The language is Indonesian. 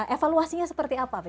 evaluasinya seperti apa